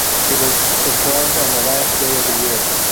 It was performed on the last day of the year.